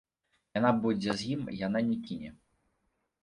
Яна будзе з ім, яна не кіне.